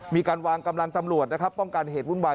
มีการวางกำลังตำรวจนะครับป้องกันเหตุวุ่นวาย